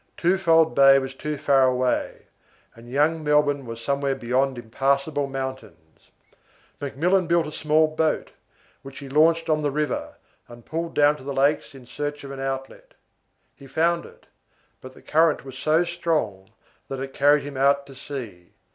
Twofold Bay was too far away, and young Melbourne was somewhere beyond impassable mountains. McMillan built a small boat, which he launched on the river, and pulled down to the lakes in search of an outlet. He found it, but the current was so strong that it carried him out to sea.